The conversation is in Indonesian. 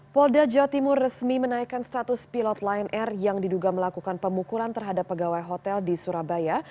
polda jawa timur resmi menaikkan status pilot lion air yang diduga melakukan pemukulan terhadap pegawai hotel di surabaya